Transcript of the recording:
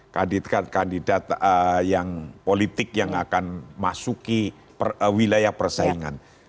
kandidat kandidat yang politik yang akan masuki wilayah persaingan